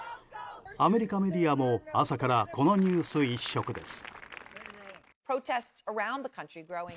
アメリカメディアも朝からこのニュース一色です。